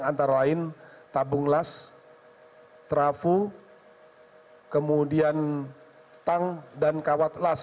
antara lain tabung las trafu kemudian tang dan kawat las